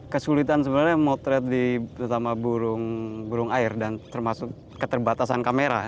kesulitan sebenarnya motret terutama burung air dan termasuk keterbatasan kamera